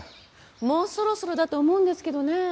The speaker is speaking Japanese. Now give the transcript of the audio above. もうそろそろだと思うんですけどね。